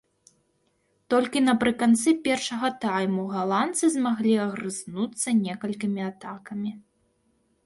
Толькі напрыканцы першага тайму галандцы змаглі агрызнуцца некалькімі атакамі.